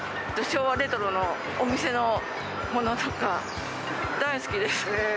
昭和レトロのお店のものとか、大好きです。